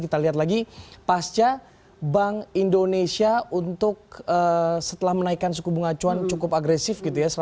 kita lihat lagi pasca bank indonesia untuk setelah menaikkan suku bunga acuan cukup agresif gitu ya